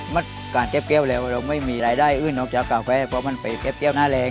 มันไม่มีการเจ็บเก้ากันแล้ว